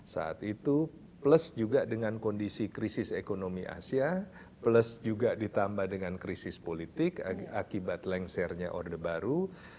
saat itu plus juga dengan kondisi krisis ekonomi asia plus juga ditambah dengan krisis politik akibat lengsernya orde baru